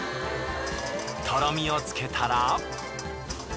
とろみをつけたら。